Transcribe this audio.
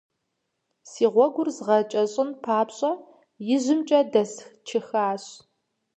Си гъуэгур згъэкӏэщӏын папщӏэ, ижьымкӏэ дэсчыхащ.